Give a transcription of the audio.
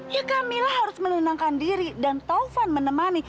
ya kamilah harus menenangkan diri dan taufan menemani